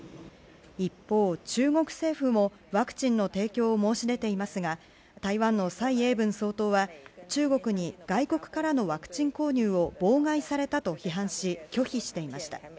一方、中国政府もワクチンの提供を申し出ていますが台湾の蔡英文総統は中国に外国からのワクチン購入を妨害されたと批判し拒否していました。